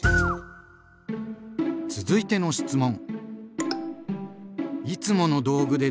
続いての質問！